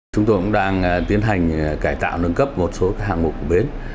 chúng tôi cũng đang tiến hành cải tạo nâng cấp một số hạng mục của bến